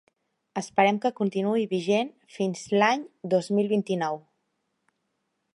Esperem que continuï vigent fins l'any dos mil vint-i-nou.